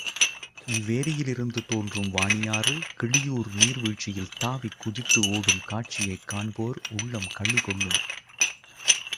இவ்வேரியிலிருந்து தோன்றும் வாணியாறு, கிளியூர் நீர் வீழ்ச்சியில் தாவிக் குதித்து ஓடும் காட்சியைக் காண்போர் உள்ளம் களி கொள்ளும்.